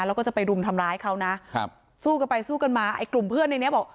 แล้วก็จะไปรุมทำร้ายเขานะครับสู้กันไปสู้กันมาไอ้กลุ่มเพื่อนในเนี้ยบอก